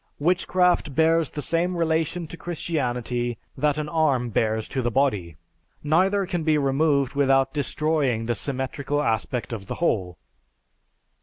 Witchcraft bears the same relation to Christianity that an arm bears to the body; neither can be removed without destroying the symmetrical aspect of the whole.